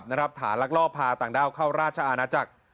ฐานลักลอบพาต่างด้าวเข้าราชอาณาจักร